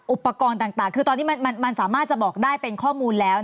อุปกรณ์ต่างคือตอนนี้มันสามารถจะบอกได้เป็นข้อมูลแล้ว